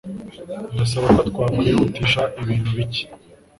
Ndasaba ko twakwihutisha ibintu bike.